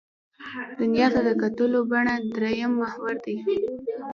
دنیا ته د کتلو بڼه درېیم محور دی.